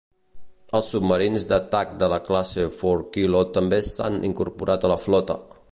Els submarins d"atac de la classe Four Kilo també s"han incorporat a la flota.